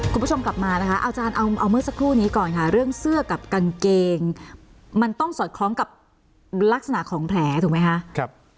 คุณผู้ชมกลับมานะคะอาจารย์เอาเมื่อสักครู่นี้ก่อนค่ะเรื่องเสื้อกับกางเกงมันต้องสอดคล้องกับลักษณะของแผลถูกไหมคะ